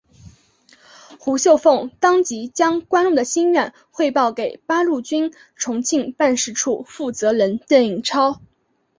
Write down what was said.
胡绣凤当即将关露的心愿汇报给八路军重庆办事处负责人邓颖超。